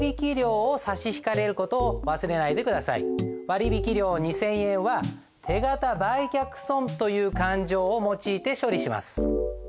割引料２，０００円は手形売却損という勘定を用いて処理します。